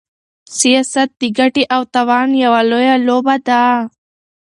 سياست د ګټې او تاوان يوه لويه لوبه ده.